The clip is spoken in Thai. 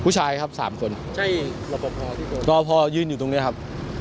ผู้ชายครับสามคนใช่รอบพอรอบพอยืนอยู่ตรงนี้ครับ